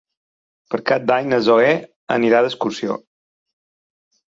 Per Cap d'Any na Zoè anirà d'excursió.